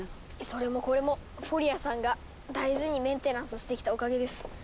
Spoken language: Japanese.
それもこれもフォリアさんが大事にメンテナンスしてきたおかげです！